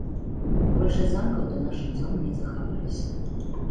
Большасць замкаў да нашых дзён не захаваліся.